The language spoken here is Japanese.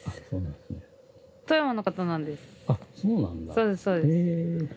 そうですそうです。